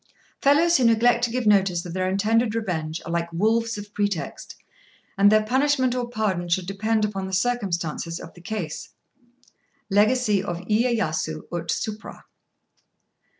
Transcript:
"Fellows who neglect to give notice of their intended revenge are like wolves of pretext, and their punishment or pardon should depend upon the circumstances of the case." Legacy of Iyéyasu, ut suprà.